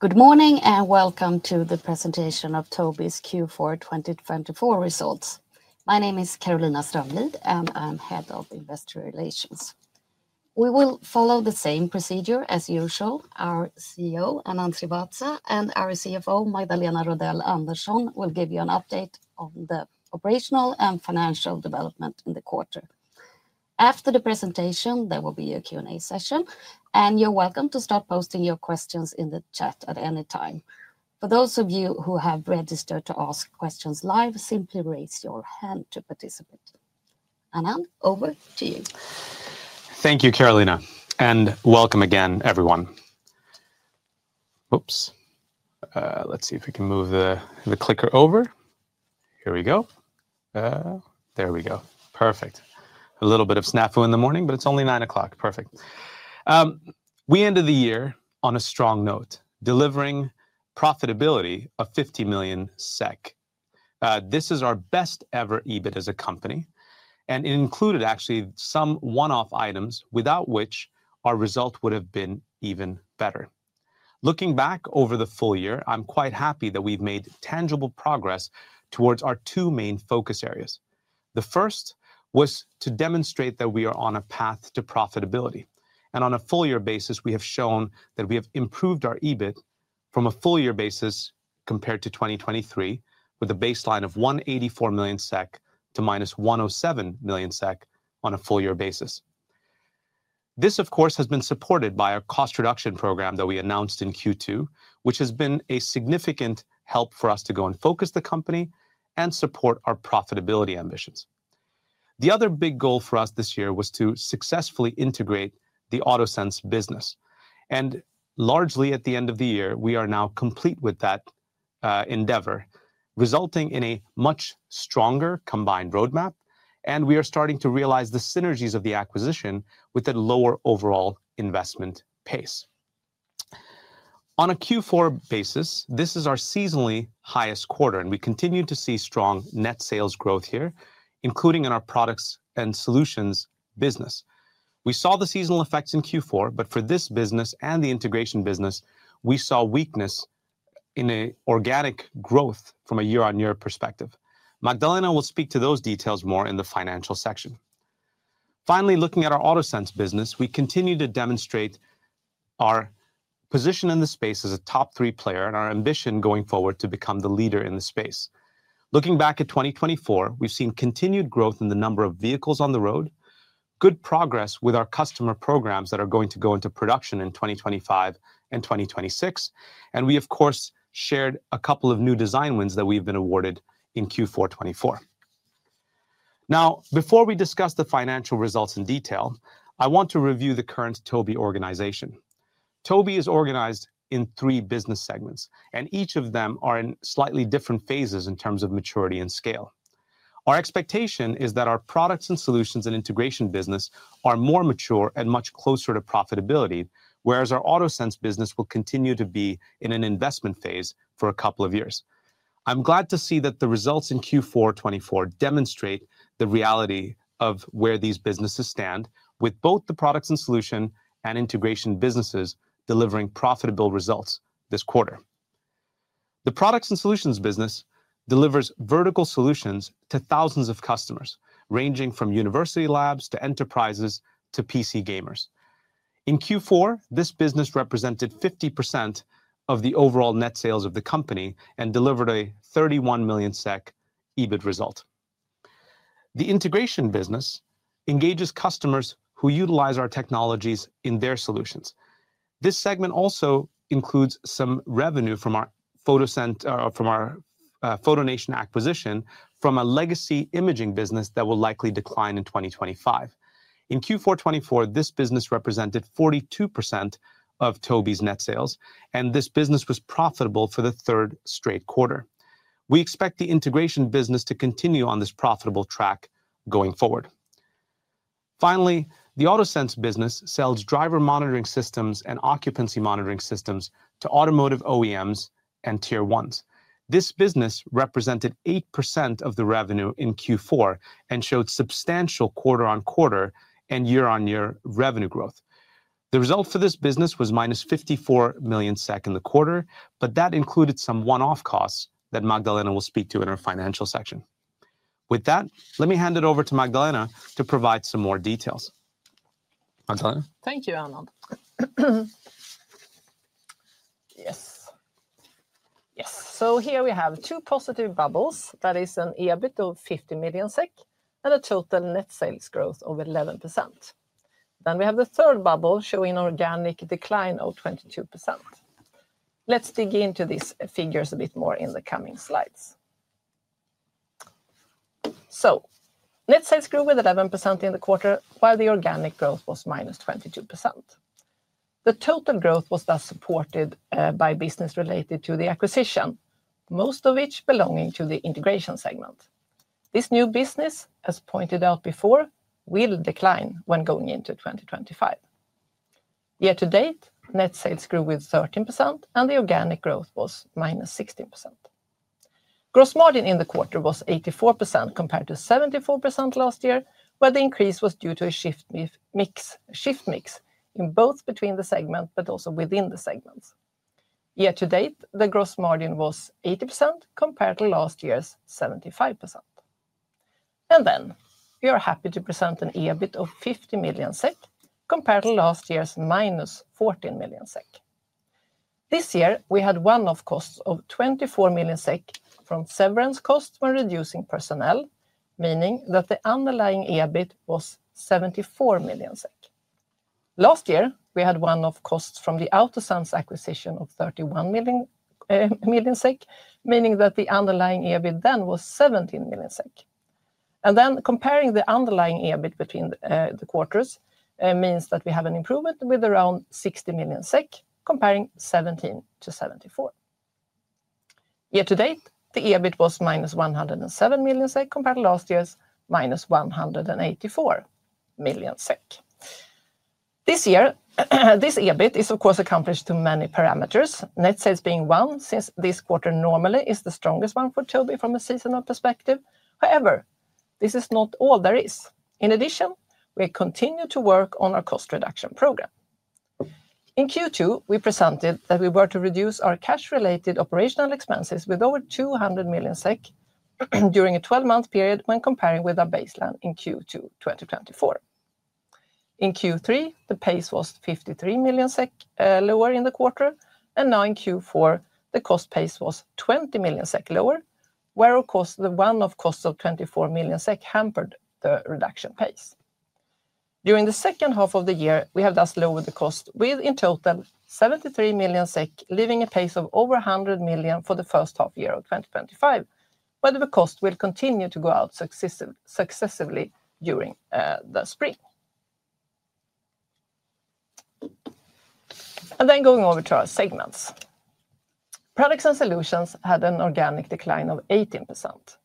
Good morning and welcome to the presentation of Tobii's Q4 2024 results. My name is Carolina Strömlid, and I'm head of investor relations. We will follow the same procedure as usual. Our CEO, Anand Srivatsa, and our CFO, Magdalena Rodell Andersson, will give you an update on the operational and financial development in the quarter. After the presentation, there will be a Q&A session, and you're welcome to start posting your questions in the chat at any time. For those of you who have registered to ask questions live, simply raise your hand to participate. Anand, over to you. Thank you, Carolina, and welcome again, everyone. Oops. Let's see if we can move the clicker over. Here we go. There we go. Perfect. A little bit of snafu in the morning, but it's only 9:00 AM. Perfect. We ended the year on a strong note, delivering profitability of 50 million SEK. This is our best-ever EBIT as a company, and it included, actually, some one-off items without which our result would have been even better. Looking back over the full year, I'm quite happy that we've made tangible progress towards our two main focus areas. The first was to demonstrate that we are on a path to profitability. And on a full-year basis, we have shown that we have improved our EBIT from a full-year basis compared to 2023, with a baseline of 184 million SEK to minus 107 million SEK on a full-year basis. This, of course, has been supported by our cost reduction program that we announced in Q2, which has been a significant help for us to go and focus the company and support our profitability ambitions. The other big goal for us this year was to successfully integrate the Autosense business, and largely, at the end of the year, we are now complete with that endeavor, resulting in a much stronger combined roadmap, and we are starting to realize the synergies of the acquisition with a lower overall investment pace. On a Q4 basis, this is our seasonally highest quarter, and we continue to see strong net sales growth here, including in our products and solutions business. We saw the seasonal effects in Q4, but for this business and the integration business, we saw weakness in organic growth from a year-on-year perspective. Magdalena will speak to those details more in the financial section. Finally, looking at our Autosense business, we continue to demonstrate our position in the space as a top three player and our ambition going forward to become the leader in the space. Looking back at 2024, we've seen continued growth in the number of vehicles on the road, good progress with our customer programs that are going to go into production in 2025 and 2026, and we, of course, shared a couple of new design wins that we've been awarded in Q4 2024. Now, before we discuss the financial results in detail, I want to review the current Tobii organization. Tobii is organized in three business segments, and each of them are in slightly different phases in terms of maturity and scale. Our expectation is that our products and solutions and integration business are more mature and much closer to profitability, whereas our Autosense business will continue to be in an investment phase for a couple of years. I'm glad to see that the results in Q4 2024 demonstrate the reality of where these businesses stand, with both the products and solutions and integration businesses delivering profitable results this quarter. The products and solutions business delivers vertical solutions to thousands of customers, ranging from university labs to enterprises to PC gamers. In Q4 2024, this business represented 50% of the overall net sales of the company and delivered a 31 million SEK EBIT result. The integration business engages customers who utilize our technologies in their solutions. This segment also includes some revenue from our FotoNation acquisition from a legacy imaging business that will likely decline in 2025. In Q4 2024, this business represented 42% of Tobii's net sales, and this business was profitable for the third straight quarter. We expect the integration business to continue on this profitable track going forward. Finally, the Autosense business sells driver monitoring systems and occupancy monitoring systems to automotive OEMs and tier ones. This business represented 8% of the revenue in Q4 and showed substantial quarter-on-quarter and year-on-year revenue growth. The result for this business was -54 million SEK in the quarter, but that included some one-off costs that Magdalena will speak to in our financial section. With that, let me hand it over to Magdalena to provide some more details. Magdalena. Thank you, Anand. Yes. Yes. So here we have two positive bubbles. That is an EBIT of 50 million SEK and a total net sales growth of 11%. Then we have the third bubble showing organic decline of 22%. Let's dig into these figures a bit more in the coming slides. So net sales grew with 11% in the quarter, while the organic growth was minus 22%. The total growth was thus supported by business related to the acquisition, most of which belonging to the Integration segment. This new business, as pointed out before, will decline when going into 2025. Year-to-date, net sales grew with 13%, and the organic growth was minus 16%. Gross margin in the quarter was 84% compared to 74% last year, where the increase was due to a shift mix in both between the segments but also within the segments. Year to date, the gross margin was 80% compared to last year's 75%. We are happy to present an EBIT of 50 million SEK compared to last year's minus 14 million SEK. This year, we had one-off costs of 24 million SEK from severance costs when reducing personnel, meaning that the underlying EBIT was 74 million SEK. Last year, we had one-off costs from the Autosense acquisition of 31 million SEK, meaning that the underlying EBIT then was 17 million SEK. Comparing the underlying EBIT between the quarters means that we have an improvement with around 60 million SEK, comparing 17 to 74. Year to date, the EBIT was -107 million SEK compared to last year's -184 million SEK. This year, this EBIT is, of course, accomplished to many parameters, net sales being one since this quarter normally is the strongest one for Tobii from a seasonal perspective. However, this is not all there is. In addition, we continue to work on our cost reduction program. In Q2, we presented that we were to reduce our cash-related operational expenses with over 200 million SEK during a 12-month period when comparing with our baseline in Q2 2024. In Q3, the pace was 53 million SEK lower in the quarter, and now in Q4, the cost pace was 20 million SEK lower, where, of course, the one-off costs of 24 million SEK hampered the reduction pace. During the second half of the year, we have thus lowered the cost with, in total, 73 million SEK, leaving a pace of over 100 million SEK for the first half year of 2025, but the cost will continue to go out successively during the spring. Then going over to our segments, Products and Solutions had an organic decline of 18%.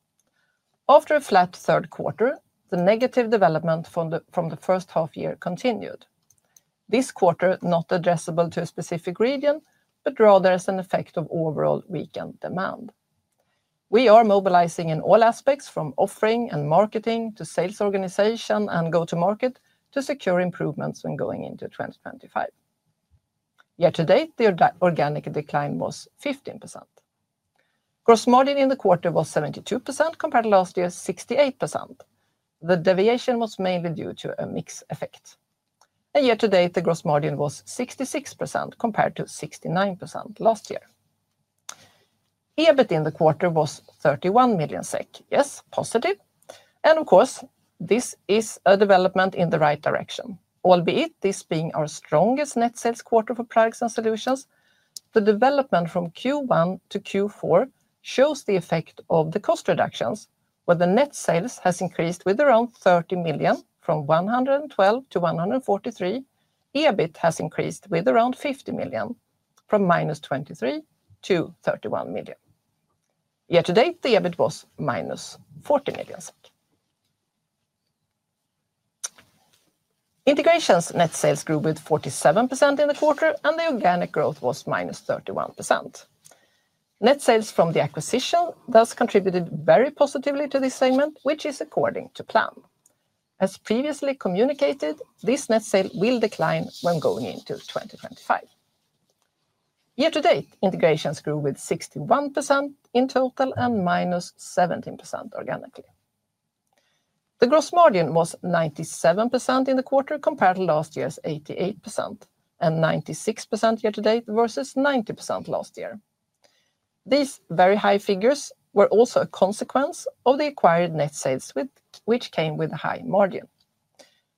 After a flat third quarter, the negative development from the first half year continued. This quarter, not addressable to a specific region, but rather as an effect of overall weakened demand. We are mobilizing in all aspects, from offering and marketing to sales organization and go-to-market, to secure improvements when going into 2025. Year-to-date, the organic decline was 15%. Gross margin in the quarter was 72% compared to last year's 68%. The deviation was mainly due to a mixed effect. And year to date, the gross margin was 66% compared to 69% last year. EBIT in the quarter was 31 million SEK. Yes, positive. And of course, this is a development in the right direction. Albeit this being our strongest net sales quarter for products and solutions, the development from Q1 to Q4 shows the effect of the cost reductions, where the net sales has increased with around 30 million from 112 to 143. EBIT has increased with around 50 million from minus 23 to 31 million. Year to date, the EBIT was minus 40 million. Integration's net sales grew with 47% in the quarter, and the organic growth was minus 31%. Net sales from the acquisition thus contributed very positively to this segment, which is according to plan. As previously communicated, this net sales will decline when going into 2025. Year-to-date, integrations grew with 61% in total and -17% organically. The gross margin was 97% in the quarter compared to last year's 88% and 96% year to date versus 90% last year. These very high figures were also a consequence of the acquired net sales, which came with a high margin.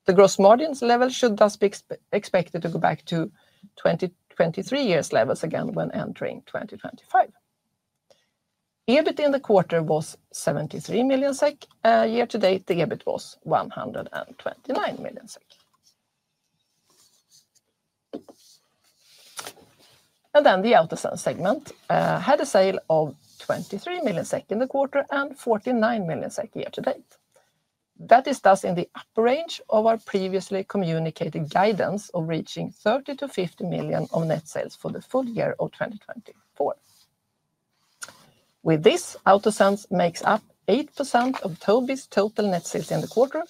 The gross margins level should thus be expected to go back to 2023 year's levels again when entering 2025. EBIT in the quarter was 73 million SEK. Year to date, the EBIT was 129 million SEK. And then the Autosense segment had a sale of 23 million SEK in the quarter and 49 million SEK year to date. That is thus in the upper range of our previously communicated guidance of reaching 30-50 million of net sales for the full year of 2024. With this, Autosense makes up 8% of Tobii's total net sales in the quarter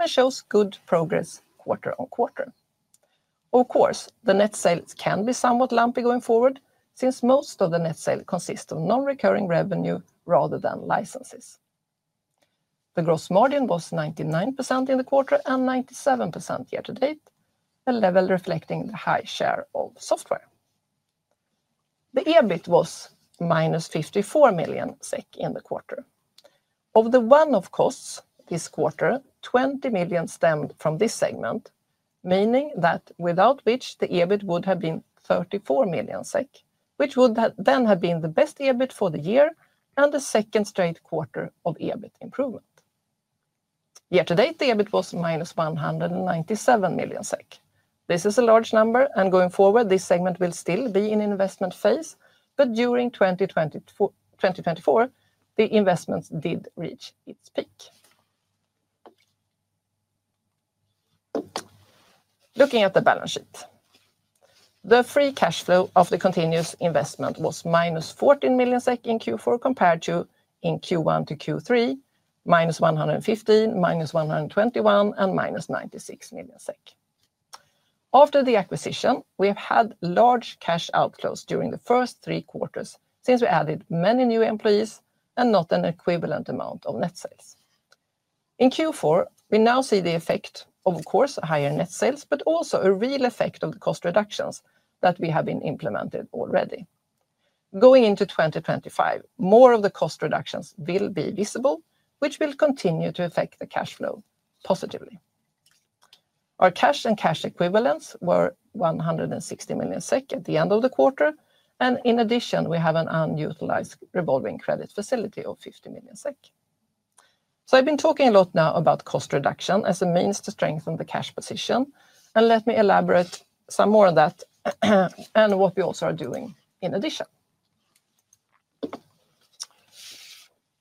and shows good progress quarter on quarter. Of course, the net sales can be somewhat lumpy going forward since most of the net sales consists of non-recurring revenue rather than licenses. The gross margin was 99% in the quarter and 97% year-to-date, a level reflecting the high share of software. The EBIT was -54 million SEK in the quarter. Of the one-off costs this quarter, 20 million SEK stemmed from this segment, meaning that without which the EBIT would have been 34 million SEK, which would then have been the best EBIT for the year and the second straight quarter of EBIT improvement. Year-to-date, the EBIT was -197 million SEK. This is a large number, and going forward, this segment will still be in investment phase, but during 2024, the investments did reach its peak. Looking at the balance sheet, the free cash flow of the continuous investment was minus 14 million SEK in Q4 compared to in Q1 to Q3, minus 115 million, minus 121 million, and minus 96 million SEK. After the acquisition, we have had large cash outflows during the first three quarters since we added many new employees and not an equivalent amount of net sales. In Q4, we now see the effect of, of course, higher net sales, but also a real effect of the cost reductions that we have been implemented already. Going into 2025, more of the cost reductions will be visible, which will continue to affect the cash flow positively. Our cash and cash equivalents were 160 million SEK at the end of the quarter, and in addition, we have an unutilized revolving credit facility of 50 million SEK. So I've been talking a lot now about cost reduction as a means to strengthen the cash position, and let me elaborate some more on that and what we also are doing in addition.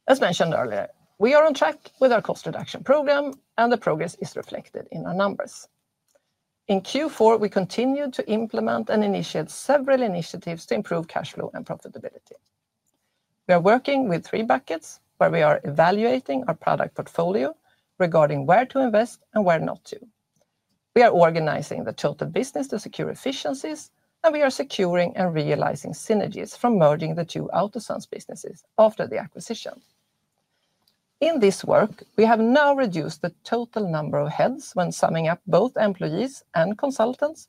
As mentioned earlier, we are on track with our cost reduction program, and the progress is reflected in our numbers. In Q4, we continued to implement and initiate several initiatives to improve cash flow and profitability. We are working with three buckets where we are evaluating our product portfolio regarding where to invest and where not to. We are organizing the total business to secure efficiencies, and we are securing and realizing synergies from merging the two Autosense businesses after the acquisition. In this work, we have now reduced the total number of heads when summing up both employees and consultants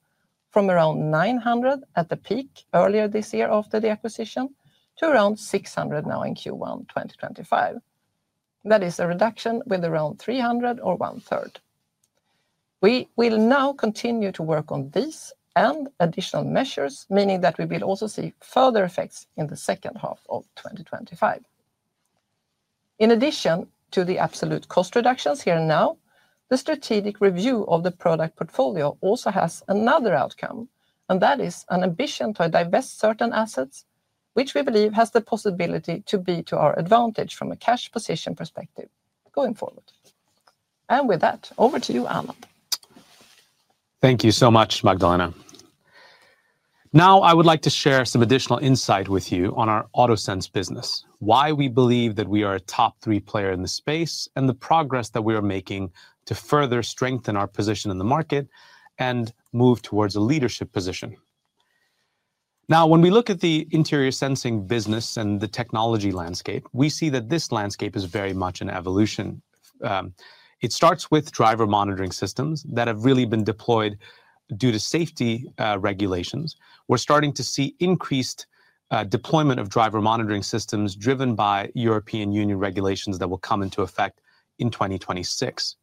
from around 900 at the peak earlier this year after the acquisition to around 600 now in Q1 2025. That is a reduction with around 300 or 1/3. We will now continue to work on these and additional measures, meaning that we will also see further effects in the second half of 2025. In addition to the absolute cost reductions here and now, the strategic review of the product portfolio also has another outcome, and that is an ambition to divest certain assets, which we believe has the possibility to be to our advantage from a cash position perspective going forward. And with that, over to you, Anand. Thank you so much, Magdalena. Now, I would like to share some additional insight with you on our Autosense business, why we believe that we are a top three player in the space, and the progress that we are making to further strengthen our position in the market and move towards a leadership position. Now, when we look at the interior sensing business and the technology landscape, we see that this landscape is very much an evolution. It starts with driver monitoring systems that have really been deployed due to safety regulations. We're starting to see increased deployment of driver monitoring systems driven by European Union regulations that will come into effect in 2026.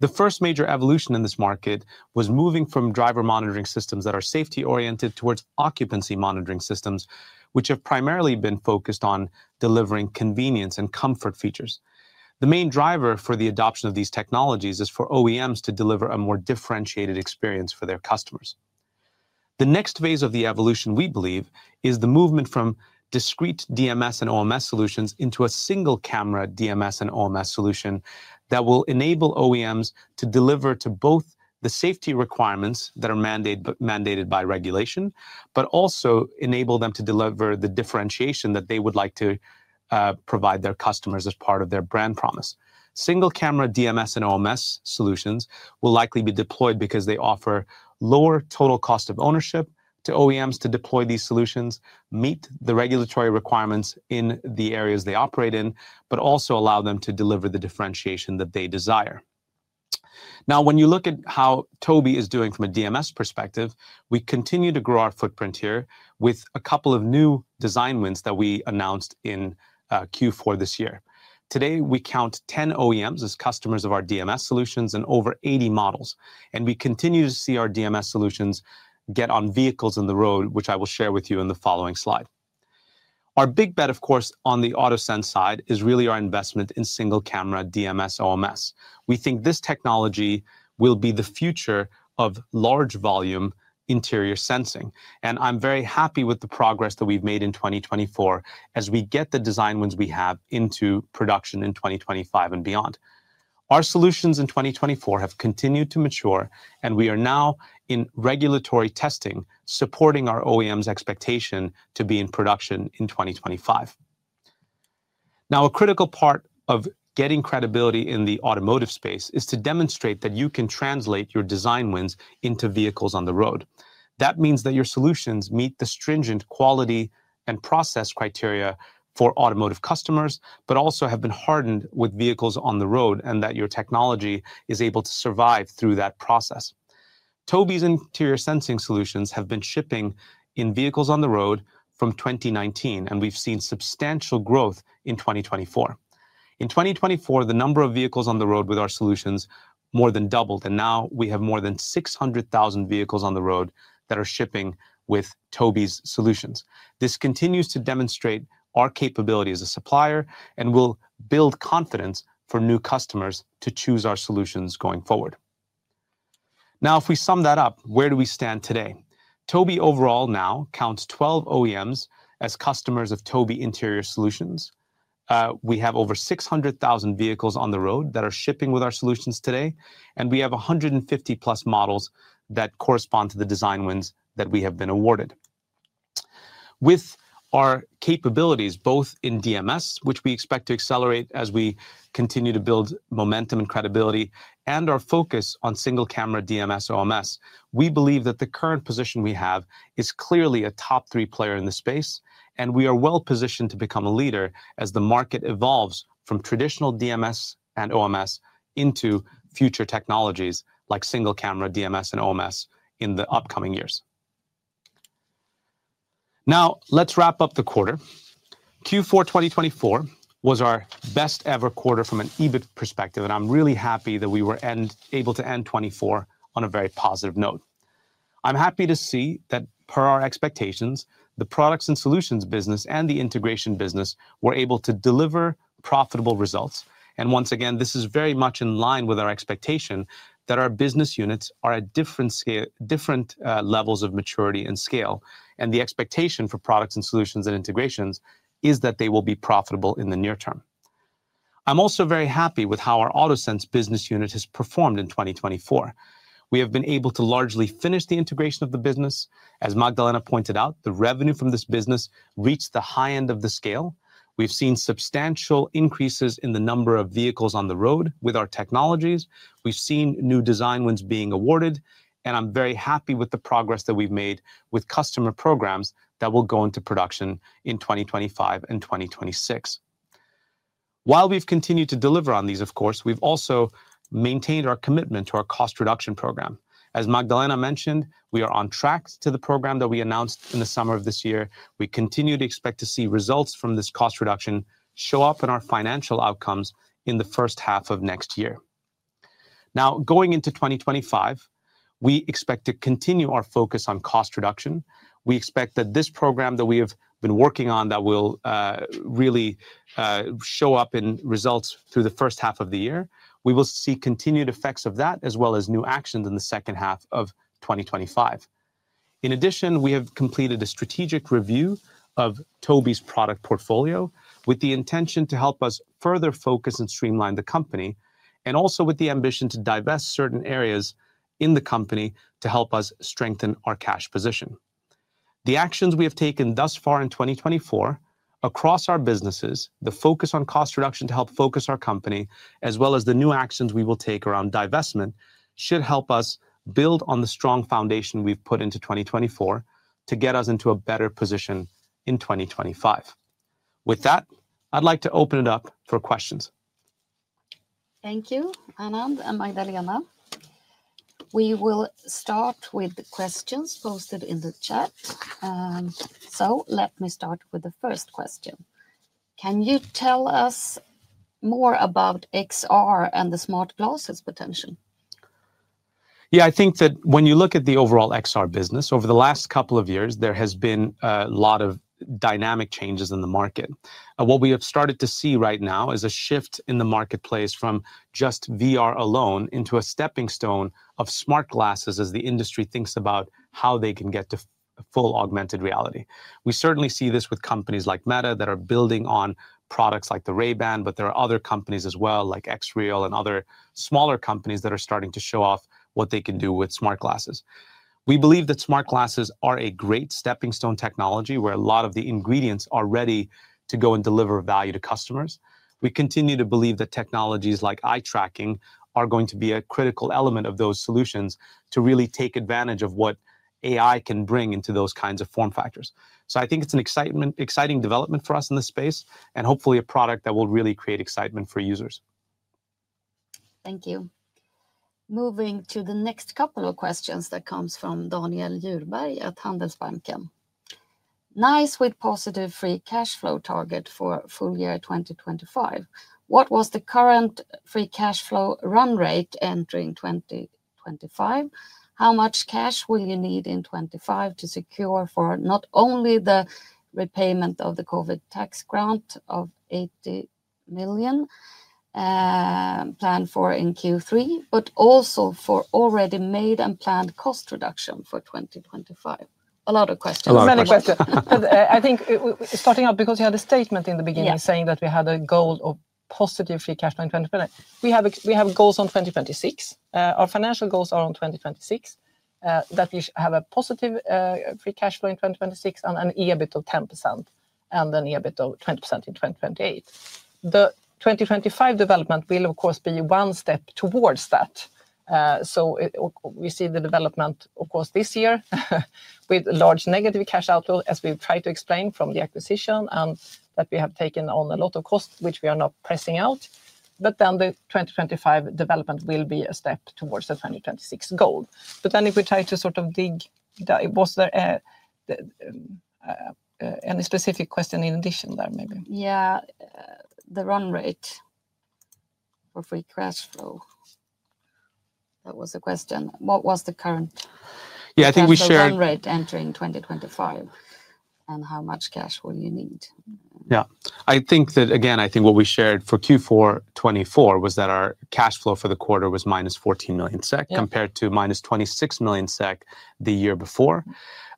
The first major evolution in this market was moving from driver monitoring systems that are safety-oriented towards occupancy monitoring systems, which have primarily been focused on delivering convenience and comfort features. The main driver for the adoption of these technologies is for OEMs to deliver a more differentiated experience for their customers. The next phase of the evolution, we believe, is the movement from discrete DMS and OMS solutions into a single camera DMS and OMS solution that will enable OEMs to deliver to both the safety requirements that are mandated by regulation, but also enable them to deliver the differentiation that they would like to provide their customers as part of their brand promise. Single camera DMS and OMS solutions will likely be deployed because they offer lower total cost of ownership to OEMs to deploy these solutions, meet the regulatory requirements in the areas they operate in, but also allow them to deliver the differentiation that they desire. Now, when you look at how Tobii is doing from a DMS perspective, we continue to grow our footprint here with a couple of new design wins that we announced in Q4 this year. Today, we count 10 OEMs as customers of our DMS solutions and over 80 models, and we continue to see our DMS solutions get on vehicles on the road, which I will share with you in the following slide. Our big bet, of course, on the Autosense side is really our investment in single camera DMS OMS. We think this technology will be the future of large volume interior sensing, and I'm very happy with the progress that we've made in 2024 as we get the design wins we have into production in 2025 and beyond. Our solutions in 2024 have continued to mature, and we are now in regulatory testing supporting our OEM's expectation to be in production in 2025. Now, a critical part of getting credibility in the automotive space is to demonstrate that you can translate your design wins into vehicles on the road. That means that your solutions meet the stringent quality and process criteria for automotive customers, but also have been hardened with vehicles on the road and that your technology is able to survive through that process. Tobii's Interior Sensing Solutions have been shipping in vehicles on the road from 2019, and we've seen substantial growth in 2024. In 2024, the number of vehicles on the road with our solutions more than doubled, and now we have more than 600,000 vehicles on the road that are shipping with Tobii's solutions. This continues to demonstrate our capability as a supplier and will build confidence for new customers to choose our solutions going forward. Now, if we sum that up, where do we stand today? Tobii overall now counts 12 OEMs as customers of Tobii Interior Sensing Solutions. We have over 600,000 vehicles on the road that are shipping with our solutions today, and we have 150 plus models that correspond to the design wins that we have been awarded. With our capabilities both in DMS, which we expect to accelerate as we continue to build momentum and credibility, and our focus on single camera DMS OMS, we believe that the current position we have is clearly a top three player in the space, and we are well positioned to become a leader as the market evolves from traditional DMS and OMS into future technologies like single camera DMS and OMS in the upcoming years. Now, let's wrap up the quarter. Q4 2024 was our best ever quarter from an EBIT perspective, and I'm really happy that we were able to end '24 on a very positive note. I'm happy to see that, per our expectations, the Products and Solutions business and the Integration business were able to deliver profitable results, and once again, this is very much in line with our expectation that our business units are at different levels of maturity and scale, and the expectation for Products and Solutions and integrations is that they will be profitable in the near term. I'm also very happy with how our Autosense business unit has performed in 2024. We have been able to largely finish the integration of the business. As Magdalena pointed out, the revenue from this business reached the high end of the scale. We've seen substantial increases in the number of vehicles on the road with our technologies. We've seen new design wins being awarded, and I'm very happy with the progress that we've made with customer programs that will go into production in 2025 and 2026. While we've continued to deliver on these, of course, we've also maintained our commitment to our cost reduction program. As Magdalena mentioned, we are on track to the program that we announced in the summer of this year. We continue to expect to see results from this cost reduction show up in our financial outcomes in the first half of next year. Now, going into 2025, we expect to continue our focus on cost reduction. We expect that this program that we have been working on that will really show up in results through the first half of the year. We will see continued effects of that as well as new actions in the second half of 2025. In addition, we have completed a strategic review of Tobii's product portfolio with the intention to help us further focus and streamline the company, and also with the ambition to divest certain areas in the company to help us strengthen our cash position. The actions we have taken thus far in 2024 across our businesses, the focus on cost reduction to help focus our company, as well as the new actions we will take around divestment, should help us build on the strong foundation we've put into 2024 to get us into a better position in 2025. With that, I'd like to open it up for questions. Thank you, Anand and Magdalena. We will start with the questions posted in the chat. So let me start with the first question. Can you tell us more about XR and the smart glasses potential? Yeah, I think that when you look at the overall XR business, over the last couple of years, there has been a lot of dynamic changes in the market. What we have started to see right now is a shift in the marketplace from just VR alone into a stepping stone of smart glasses as the industry thinks about how they can get to full augmented reality. We certainly see this with companies like Meta that are building on products like the Ray-Ban, but there are other companies as well, like XREAL and other smaller companies that are starting to show off what they can do with smart glasses. We believe that smart glasses are a great stepping stone technology where a lot of the ingredients are ready to go and deliver value to customers. We continue to believe that technologies like eye tracking are going to be a critical element of those solutions to really take advantage of what AI can bring into those kinds of form factors, so I think it's an exciting development for us in this space and hopefully a product that will really create excitement for users. Thank you. Moving to the next couple of questions that comes from Daniel Landberg at Handelsbanken. Nice with positive free cash flow target for full year 2025. What was the current free cash flow run rate entering 2025? How much cash will you need in 2025 to secure for not only the repayment of the COVID tax grant of 80 million planned for in Q3, but also for already made and planned cost reduction for 2025? A lot of questions. A lot of questions. I think starting out, because you had a statement in the beginning saying that we had a goal of positive free cash flow in 2025. We have goals on 2026. Our financial goals are on 2026 that we have a positive free cash flow in 2026 and an EBIT of 10% and an EBIT of 20% in 2028. The 2025 development will, of course, be one step towards that. So we see the development, of course, this year with large negative cash outflow as we've tried to explain from the acquisition and that we have taken on a lot of costs which we are not pressing out. But then the 2025 development will be a step towards the 2026 goal. But then if we try to sort of dig, was there any specific question in addition there maybe? Yeah, the run rate for free cash flow. That was the question. What was the current? Yeah, I think we shared. What's the run rate entering 2025 and how much cash will you need? Yeah, I think that, again, I think what we shared for Q4 2024 was that our cash flow for the quarter was -14 million SEK compared to - 26 million SEK the year before.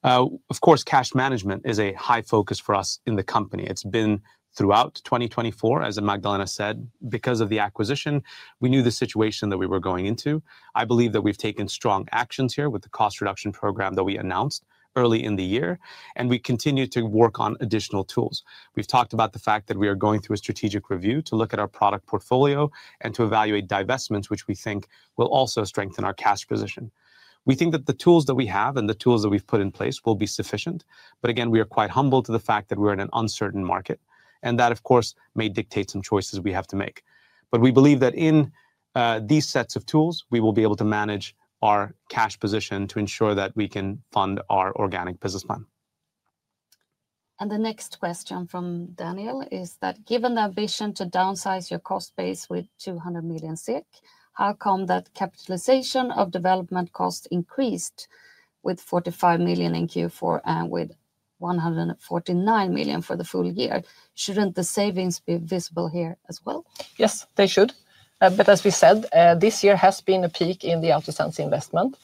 Of course, cash management is a high focus for us in the company. It's been throughout 2024, as Magdalena said, because of the acquisition. We knew the situation that we were going into. I believe that we've taken strong actions here with the cost reduction program that we announced early in the year, and we continue to work on additional tools. We've talked about the fact that we are going through a strategic review to look at our product portfolio and to evaluate divestments, which we think will also strengthen our cash position. We think that the tools that we have and the tools that we've put in place will be sufficient, but again, we are quite humble to the fact that we're in an uncertain market and that, of course, may dictate some choices we have to make, but we believe that in these sets of tools, we will be able to manage our cash position to ensure that we can fund our organic business plan. The next question from Daniel is that given the ambition to downsize your cost base with 200 million SEK, how come that capitalization of development cost increased with 45 million SEK in Q4 and with 149 million SEK for the full year? Shouldn't the savings be visible here as well? Yes, they should. But as we said, this year has been a peak in the Autosense investment,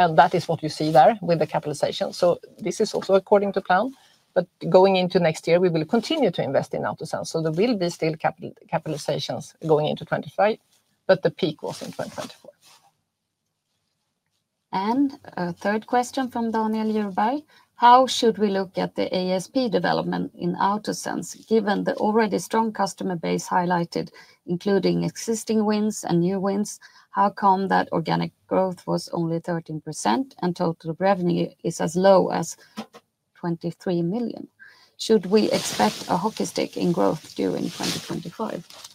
and that is what you see there with the capitalization. So this is also according to plan, but going into next year, we will continue to invest in Autosense. So there will be still capitalizations going into 2025, but the peak was in 2024. A third question from Daniel Landberg. How should we look at the ASP development in Autosense given the already strong customer base highlighted, including existing wins and new wins? How come that organic growth was only 13% and total revenue is as low as 23 million? Should we expect a hockey stick in growth during 2025?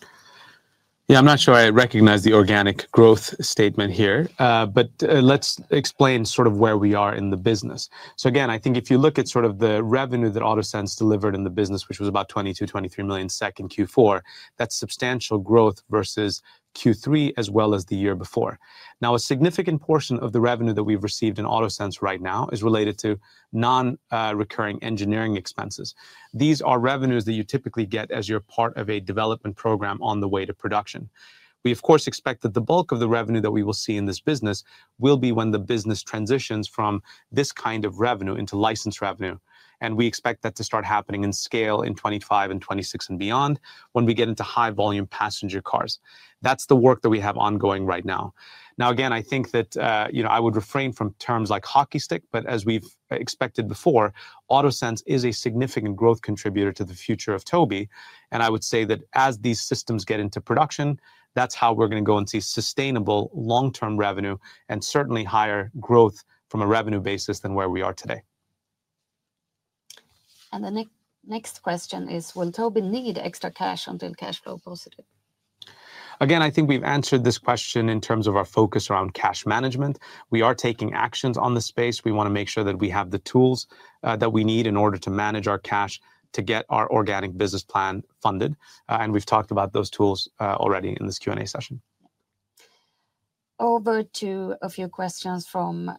Yeah, I'm not sure I recognize the organic growth statement here, but let's explain sort of where we are in the business. So again, I think if you look at sort of the revenue that Autosense delivered in the business, which was about 22-23 million SEK in Q4, that's substantial growth versus Q3 as well as the year before. Now, a significant portion of the revenue that we've received in Autosense right now is related to non-recurring engineering expenses. These are revenues that you typically get as you're part of a development program on the way to production. We, of course, expect that the bulk of the revenue that we will see in this business will be when the business transitions from this kind of revenue into license revenue, and we expect that to start happening in scale in 2025 and 2026 and beyond when we get into high volume passenger cars. That's the work that we have ongoing right now. Now, again, I think that I would refrain from terms like hockey stick, but as we've expected before, Autosense is a significant growth contributor to the future of Tobii, and I would say that as these systems get into production, that's how we're going to go and see sustainable long-term revenue and certainly higher growth from a revenue basis than where we are today. The next question is, will Tobii need extra cash until cash flow positive? Again, I think we've answered this question in terms of our focus around cash management. We are taking actions on the space. We want to make sure that we have the tools that we need in order to manage our cash to get our organic business plan funded, and we've talked about those tools already in this Q&A session. Over to a few questions from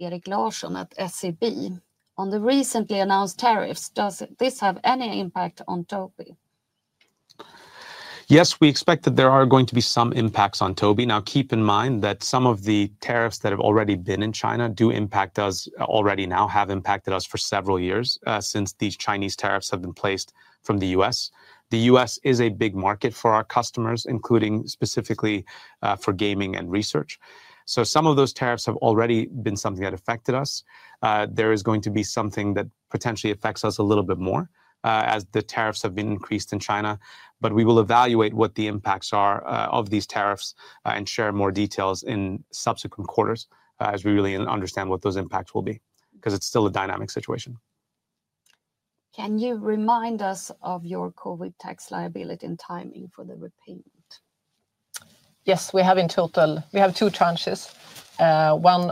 Erik Larsson at SEB. On the recently announced tariffs, does this have any impact on Tobii? Yes, we expect that there are going to be some impacts on Tobii. Now, keep in mind that some of the tariffs that have already been in China do impact us already now, have impacted us for several years since these Chinese tariffs have been placed from the U.S. The U.S. is a big market for our customers, including specifically for gaming and research. So some of those tariffs have already been something that affected us. There is going to be something that potentially affects us a little bit more as the tariffs have been increased in China, but we will evaluate what the impacts are of these tariffs and share more details in subsequent quarters as we really understand what those impacts will be because it's still a dynamic situation. Can you remind us of your COVID tax liability and timing for the repayment? Yes, we have in total, we have two tranches. One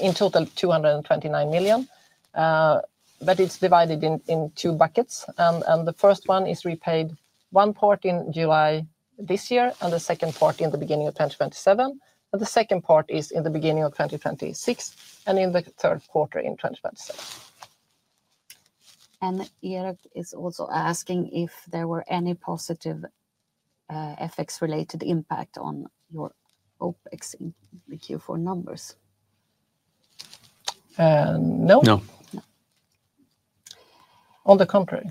in total, 229 million, but it's divided in two buckets, and the first one is repaid one part in July this year and the second part in the beginning of 2027, and the second part is in the beginning of 2026 and in the third quarter in 2027. Erik is also asking if there were any positive FX-related impact on your OpEx in the Q4 numbers. No. No. On the contrary.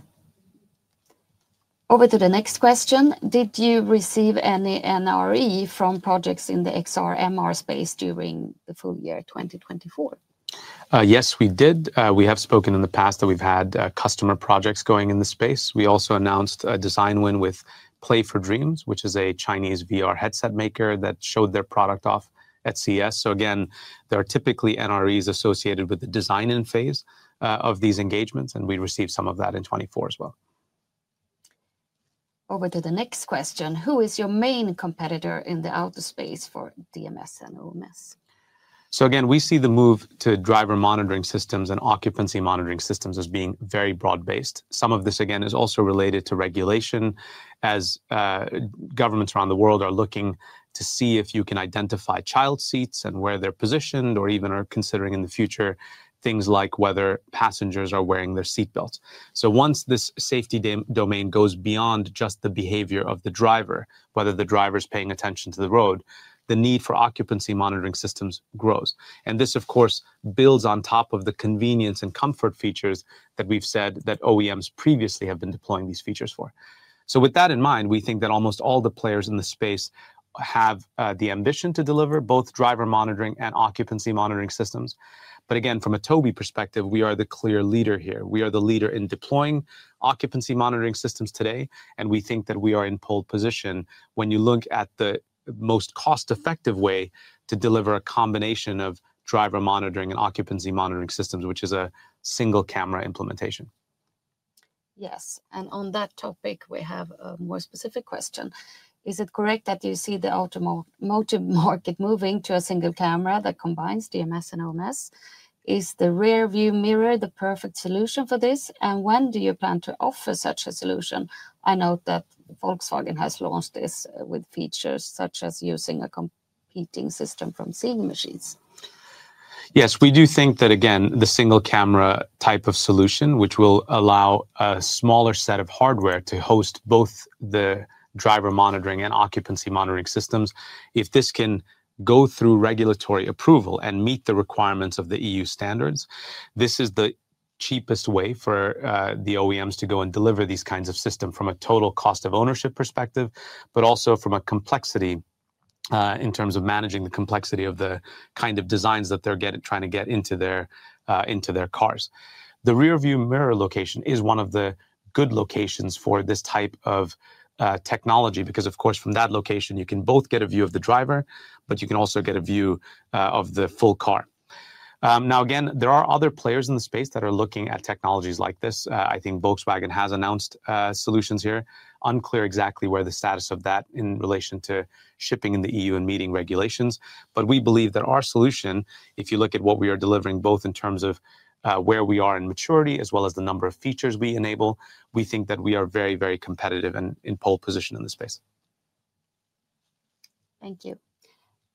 Over to the next question. Did you receive any NRE from projects in the XR/MR space during the full year 2024? Yes, we did. We have spoken in the past that we've had customer projects going in the space. We also announced a design win with Play For Dream, which is a Chinese VR headset maker that showed their product off at CES. So again, there are typically NREs associated with the design phase of these engagements, and we received some of that in 2024 as well. Over to the next question. Who is your main competitor in the auto space for DMS and OMS? So again, we see the move to driver monitoring systems and occupancy monitoring systems as being very broad-based. Some of this, again, is also related to regulation as governments around the world are looking to see if you can identify child seats and where they're positioned or even are considering in the future things like whether passengers are wearing their seat belts. So once this safety domain goes beyond just the behavior of the driver, whether the driver's paying attention to the road, the need for occupancy monitoring systems grows. And this, of course, builds on top of the convenience and comfort features that we've said that OEMs previously have been deploying these features for. So with that in mind, we think that almost all the players in the space have the ambition to deliver both driver monitoring and occupancy monitoring systems. But again, from a Tobii perspective, we are the clear leader here. We are the leader in deploying occupancy monitoring systems today, and we think that we are in pole position when you look at the most cost-effective way to deliver a combination of driver monitoring and occupancy monitoring systems, which is a single camera implementation. Yes. And on that topic, we have a more specific question. Is it correct that you see the automotive market moving to a single camera that combines DMS and OMS? Is the rearview mirror the perfect solution for this? And when do you plan to offer such a solution? I note that Volkswagen has launched this with features such as using a competing system from Seeing Machines. Yes, we do think that, again, the single camera type of solution, which will allow a smaller set of hardware to host both the driver monitoring and occupancy monitoring systems, if this can go through regulatory approval and meet the requirements of the EU standards, this is the cheapest way for the OEMs to go and deliver these kinds of systems from a total cost of ownership perspective, but also from a complexity in terms of managing the complexity of the kind of designs that they're trying to get into their cars. The rearview mirror location is one of the good locations for this type of technology because, of course, from that location, you can both get a view of the driver, but you can also get a view of the full car. Now, again, there are other players in the space that are looking at technologies like this. I think Volkswagen has announced solutions here. It's unclear exactly where the status of that is in relation to shipping in the EU and meeting regulations, but we believe that our solution, if you look at what we are delivering both in terms of where we are in maturity as well as the number of features we enable, we think that we are very, very competitive and in pole position in the space. Thank you.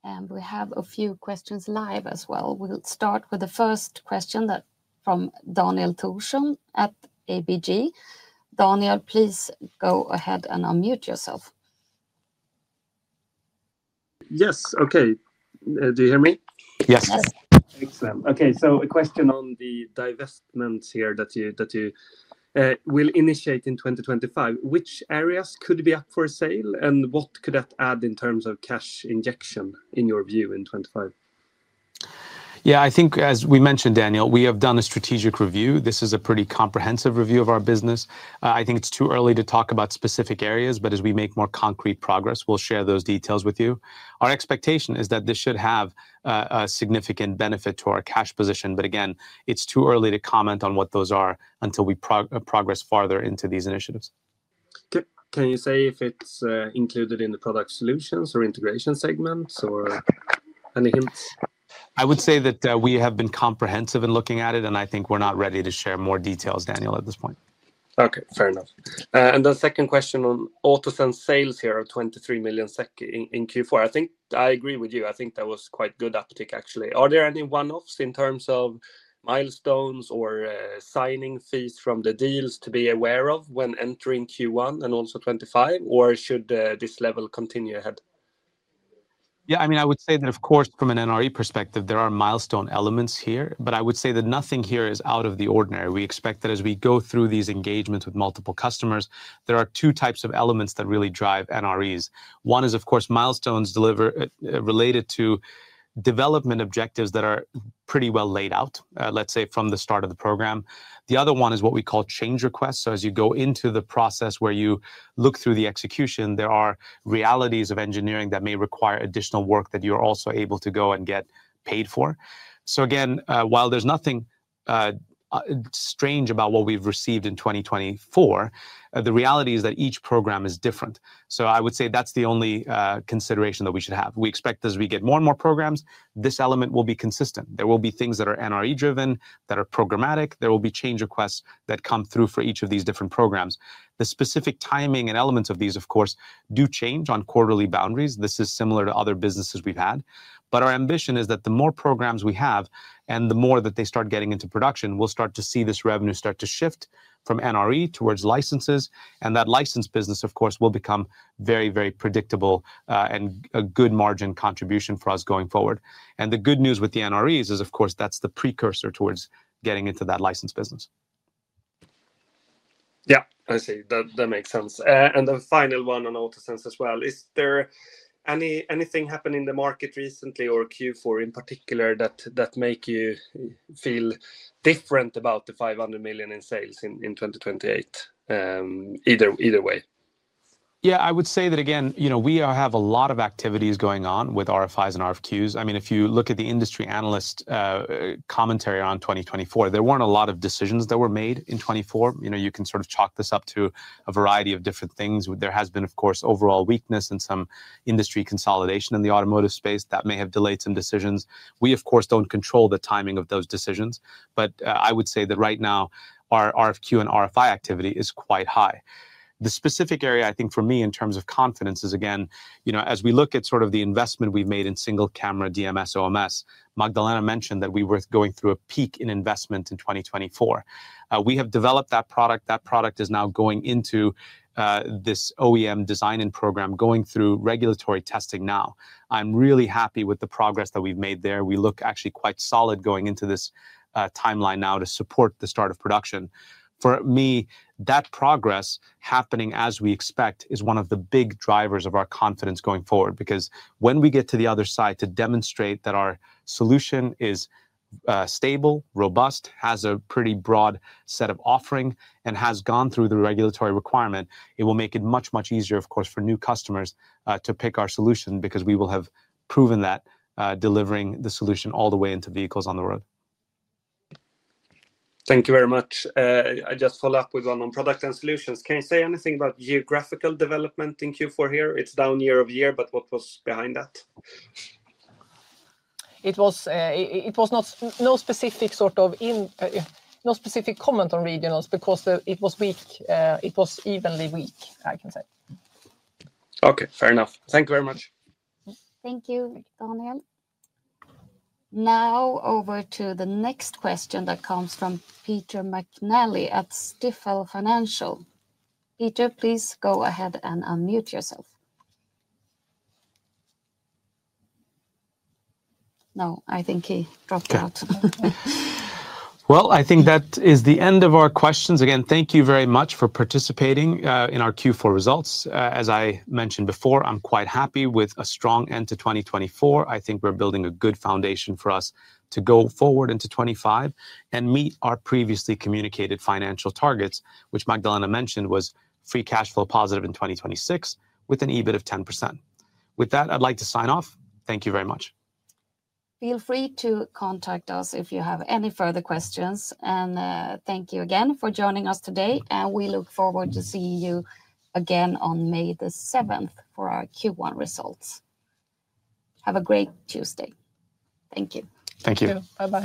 And we have a few questions live as well. We'll start with the first question from Daniel Thorsson at ABG. Daniel, please go ahead and unmute yourself. Yes. Okay. Do you hear me? Yes. Excellent. Okay, so a question on the divestments here that you will initiate in 2025. Which areas could be up for sale and what could that add in terms of cash injection in your view in 2025? Yeah, I think as we mentioned, Daniel, we have done a strategic review. This is a pretty comprehensive review of our business. I think it's too early to talk about specific areas, but as we make more concrete progress, we'll share those details with you. Our expectation is that this should have a significant benefit to our cash position, but again, it's too early to comment on what those are until we progress farther into these initiatives. Can you say if it's included in the product solutions or integration segments or any hints? I would say that we have been comprehensive in looking at it, and I think we're not ready to share more details, Daniel, at this point. Okay. Fair enough, and the second question on Autosense sales here are 23 million SEK in Q4. I think I agree with you. I think that was quite good uptick, actually. Are there any one-offs in terms of milestones or signing fees from the deals to be aware of when entering Q1 and also 2025, or should this level continue ahead? Yeah, I mean, I would say that, of course, from an NRE perspective, there are milestone elements here, but I would say that nothing here is out of the ordinary. We expect that as we go through these engagements with multiple customers, there are two types of elements that really drive NREs. One is, of course, milestones related to development objectives that are pretty well laid out, let's say from the start of the program. The other one is what we call change requests. So as you go into the process where you look through the execution, there are realities of engineering that may require additional work that you're also able to go and get paid for. So again, while there's nothing strange about what we've received in 2024, the reality is that each program is different. So I would say that's the only consideration that we should have. We expect as we get more and more programs, this element will be consistent. There will be things that are NRE-driven, that are programmatic. There will be change requests that come through for each of these different programs. The specific timing and elements of these, of course, do change on quarterly boundaries. This is similar to other businesses we've had, but our ambition is that the more programs we have and the more that they start getting into production, we'll start to see this revenue start to shift from NRE towards licenses, and that license business, of course, will become very, very predictable and a good margin contribution for us going forward, and the good news with the NREs is, of course, that's the precursor towards getting into that license business. Yeah, I see. That makes sense. And the final one on Autosense as well. Is there anything happening in the market recently or Q4 in particular that makes you feel different about the 500 million in sales in 2028 either way? Yeah, I would say that, again, we have a lot of activities going on with RFIs and RFQs. I mean, if you look at the industry analyst commentary around 2024, there weren't a lot of decisions that were made in 2024. You can sort of chalk this up to a variety of different things. There has been, of course, overall weakness and some industry consolidation in the automotive space that may have delayed some decisions. We, of course, don't control the timing of those decisions, but I would say that right now our RFQ and RFI activity is quite high. The specific area, I think for me in terms of confidence is, again, as we look at sort of the investment we've made in single camera DMS/OMS. Magdalena mentioned that we were going through a peak in investment in 2024. We have developed that product. That product is now going into this OEM design and program, going through regulatory testing now. I'm really happy with the progress that we've made there. We look actually quite solid going into this timeline now to support the start of production. For me, that progress happening as we expect is one of the big drivers of our confidence going forward because when we get to the other side to demonstrate that our solution is stable, robust, has a pretty broad set of offering, and has gone through the regulatory requirement, it will make it much, much easier, of course, for new customers to pick our solution because we will have proven that delivering the solution all the way into vehicles on the road. Thank you very much. I just follow up with one on products and solutions. Can you say anything about geographical development in Q4 here? It's down year over year, but what was behind that? It was no specific sort of comment on regionals because it was weak. It was evenly weak, I can say. Okay. Fair enough. Thank you very much. Thank you, Daniel. Now over to the next question that comes from Peter McNally at Stifel Financial. Peter, please go ahead and unmute yourself. No, I think he dropped out. I think that is the end of our questions. Again, thank you very much for participating in our Q4 results. As I mentioned before, I'm quite happy with a strong end to 2024. I think we're building a good foundation for us to go forward into 2025 and meet our previously communicated financial targets, which Magdalena mentioned was free cash flow positive in 2026 with an EBIT of 10%. With that, I'd like to sign off. Thank you very much. Feel free to contact us if you have any further questions, and thank you again for joining us today, and we look forward to seeing you again on May the 7th for our Q1 results. Have a great Tuesday. Thank you. Thank you.